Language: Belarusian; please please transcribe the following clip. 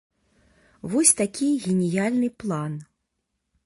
Вось такі геніяльны план.